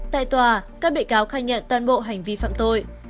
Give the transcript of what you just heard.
tại tòa các bị cáo khai nhận toàn bộ hành vi phạm tội